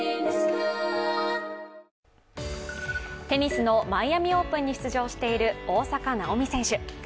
テニスのマイアミ・オープンに出場している大坂なおみ選手。